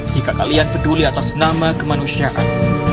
jika kalian peduli atas nama kemanusiaan